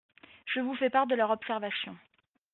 Je vous fais part de leurs observations.